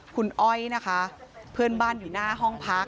คุณอ้อยนะคะเพื่อนบ้านอยู่หน้าห้องพัก